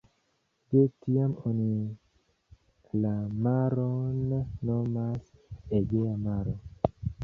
De tiam oni la maron nomas Egea Maro.